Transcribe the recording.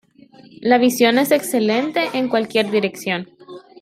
La visión es excelente en cualquier dirección.